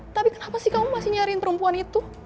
tapi kenapa sih kamu masih nyariin perempuan itu